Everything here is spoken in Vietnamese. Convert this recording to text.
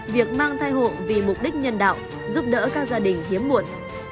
việc mang thai hộ vì mục đích nhân đạo giúp đỡ các gia đình hiếm muộn